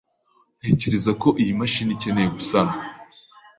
Ntekereza ko iyi mashini ikeneye gusanwa.